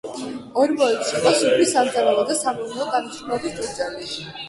ორმოებში იყო სუფრის, სამზარეულო და სამეურნეო დანიშნულების ჭურჭელი.